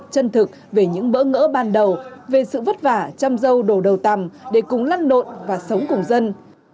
chân thực về những bỡ ngỡ ban đầu về sự vất vả chăm dâu đồ đầu tầm để cùng lăn nộn và sống cùng dân